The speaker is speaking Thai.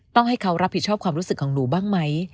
ต้องให้เขารับผิดชอบความรู้สึกของหนูบ้างไหม